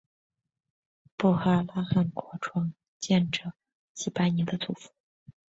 布哈拉汗国创建者昔班尼的祖父。